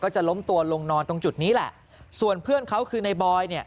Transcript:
จะล้มตัวลงนอนตรงจุดนี้แหละส่วนเพื่อนเขาคือในบอยเนี่ย